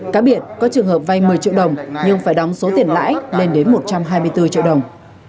cá biệt có trường hợp vay một mươi triệu đồng nhưng phải đóng số tiền lãi lên đến một trăm hai mươi bốn triệu đồng